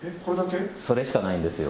それしかないんですよ